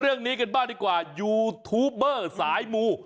เรื่องนี้กันบ้างดีกว่ายูทูปเบอร์สายมู